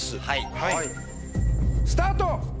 はい。スタート！